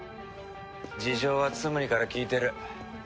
事情はツムリから聞いてる。